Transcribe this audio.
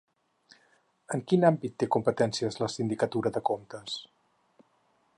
En quin àmbit té competències la sindicatura de comptes?